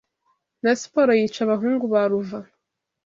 na siporo yica abahungu ba Luva